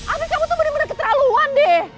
afif kamu tuh bener bener keterlaluan deh